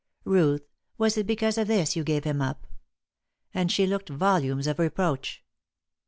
Ruth, was it because of this you gave him up?" And she looked volumes of reproach.